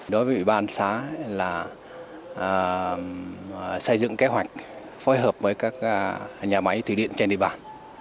đối với ủy ban xã là xây dựng kế hoạch phối hợp với các nhà máy thủy điện trên địa bàn